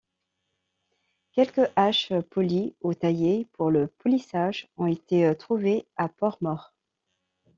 Quelques haches polies ou taillées pour le polissage ont été trouvées à Port-Mort.